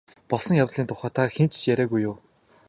Болсон явдлын тухай та хэнд ч яриагүй юу?